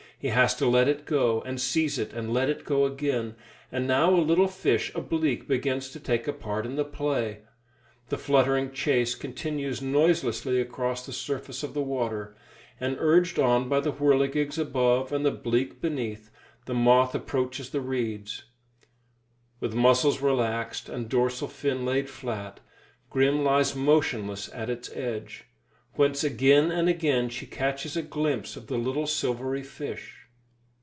He has to let it go, and seize it, and let it go again; and now a little fish a bleak begins to take a part in the play. The fluttering chase continues noiselessly across the surface of the water, and urged on by the whirligigs above and the bleak beneath, the moth approaches the reeds. With muscles relaxed and dorsal fin laid flat, Grim lies motionless at its edge, whence again and again she catches a glimpse of the little silvery fish.